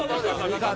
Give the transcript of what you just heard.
味方。